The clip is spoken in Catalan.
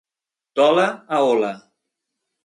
D'hola a hola.